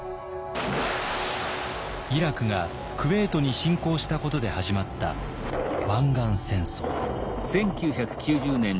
イラクがクウェートに侵攻したことで始まった湾岸戦争。